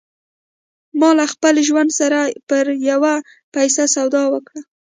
ما له خپل ژوند سره پر یوه پیسه سودا وکړه